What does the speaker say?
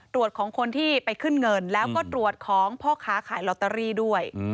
ของคนที่ไปขึ้นเงินแล้วก็ตรวจของพ่อค้าขายลอตเตอรี่ด้วย